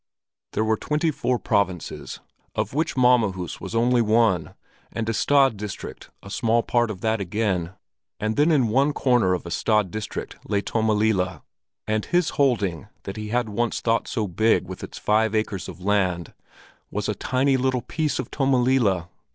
There were twenty four provinces, of which Malmohus was only one, and Ystad district a small part of that again; and then in one corner of Ystad district lay Tommelilla, and his holding that he had once thought so big with its five acres of land, was a tiny little piece of Tommelilla!